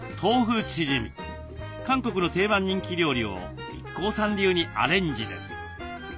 韓国の定番人気料理をＩＫＫＯさん流にアレンジです。